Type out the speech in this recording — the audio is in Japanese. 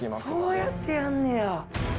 そうやってやんねや。